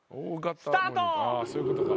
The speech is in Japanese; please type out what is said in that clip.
スタート